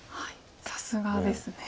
さすがですね。